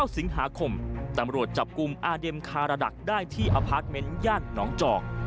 สิงหาคมตำรวจจับกลุ่มอาเด็มคาราดักได้ที่อพาร์ทเมนต์ย่านหนองจอก